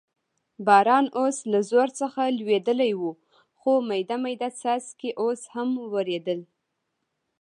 باران اوس له زور څخه لوېدلی و، خو مېده مېده څاڅکي اوس هم ورېدل.